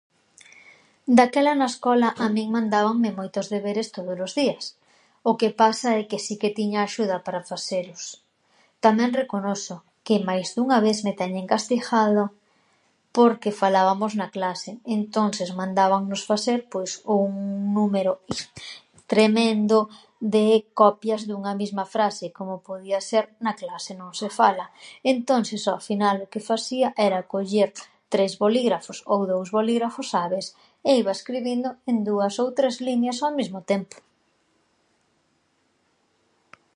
"Daquela, na escola, a min mandábanme moitos deberes tódolos días, o que pasa é que si que tiña axuda para faselos. Tamén reconoso que máis dunha vez me teñen castighado porque falábamos na clase. Entonses mandábanos facer pois un número tremendo de copias dunha misma frase, como podía ser ""na clase non se fala"". Entonses, ao final, o que fasía era coller tres bolígrafos ou dous bolígrafos a ves e iba escribindo en dúas ou tres liñas ao mismo tempo."